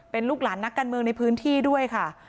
เป็นลูกหลานนักการเมืองในพื้นที่ด้วยค่ะ